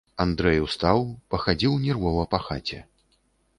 Андрэй устаў, пахадзіў нервова па хаце.